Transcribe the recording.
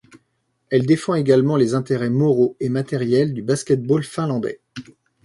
Elle défend également les intérêts moraux et matériels du basket-ball finlandais.